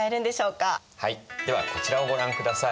はいではこちらをご覧ください。